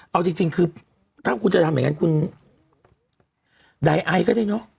เอาจริงจริงคือถ้าคุณจะทำยังไงกันคุณได้ไอ้ก็ได้เนอะ